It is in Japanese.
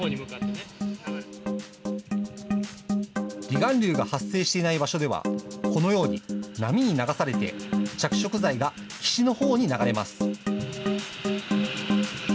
離岸流が発生していない場所ではこのように波に流されて着色剤が岸のほうに流れます。